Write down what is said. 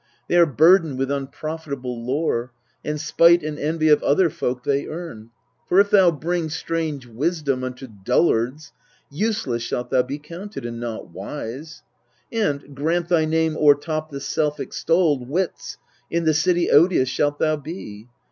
They are burdened with unprofitable lore, And spite and envy of other folk they earn. For, if thou bring strange wisdom unto dullards, Useless shalt thou be counted, and not wise : And, grant thy name o'ertop the self extolled Wits, in the city odious shalt thou be.